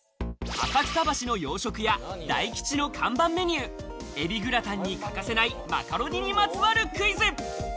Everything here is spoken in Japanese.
浅草橋の洋食屋、大吉の看板メニュー、海老グラタンに欠かせないマカロニにまつわるクイズ。